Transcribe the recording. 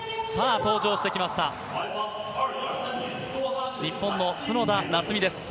登場してきました、日本の角田夏実です。